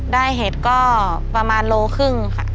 เห็ดก็ประมาณโลครึ่งค่ะ